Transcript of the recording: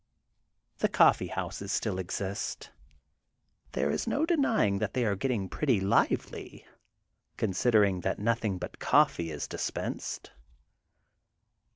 The coffee houses still exist. There is no denying that they arie getting pretty lively, considering that nothing but coffee is dis pensed.